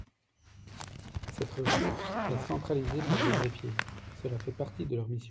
Cette ressource est centralisée par les greffiers : cela fait partie de leur mission.